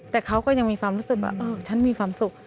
แต่เขาก็ยังมีความรู้สึกว่าฉันมีความสุข